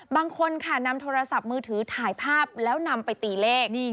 บางคนค่ะนำโทรศัพท์มือถือถ่ายภาพแล้วนำไปตีเลข